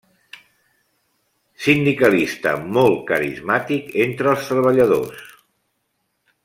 Sindicalista molt carismàtic entre els treballadors.